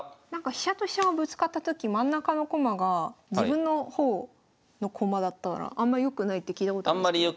飛車と飛車がぶつかったとき真ん中の駒が自分の方の駒だったらあんまよくないって聞いたことあるんですけど。